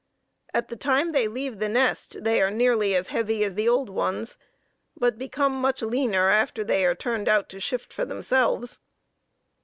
At the time they leave the nest they are nearly as heavy as the old ones, but become much leaner after they are turned out to shift for themselves.